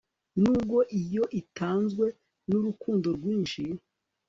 Nubwo iyo itanzwe nurukundo rwinshi